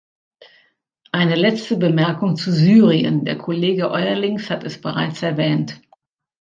Eine letzte Bemerkung zu Syrien, der Kollege Eurlings hat es bereits erwähnt.